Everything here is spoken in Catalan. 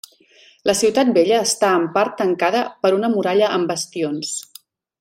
La ciutat vella està en part tancada per una muralla amb bastions.